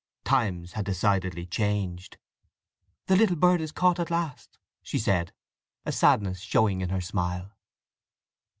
Times had decidedly changed. "The little bird is caught at last!" she said, a sadness showing in her smile.